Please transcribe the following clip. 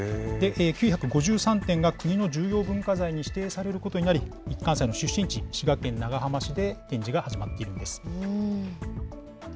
９５３点が国の重要文化財に指定されることになり、一貫斎の出身地、滋賀県長浜市で、展示が始まっているんです。